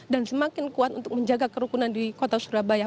dan semakin kuat untuk menjaga kerukunan di kota surabaya